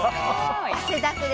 汗だくで。